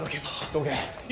どけ！！